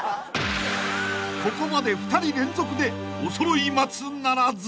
［ここまで２人連続でおそろい松ならず］